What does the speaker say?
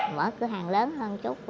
mở cửa hàng lớn hơn chút